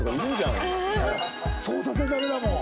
そうさせるためだもん。